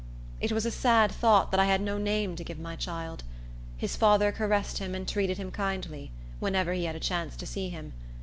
It was a sad thought that I had no name to give my child. His father caressed him and treated him kindly, whenever he had a chance to see him.